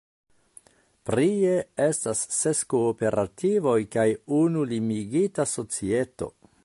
Prie estas ses kooperativoj kaj unu limigita societo.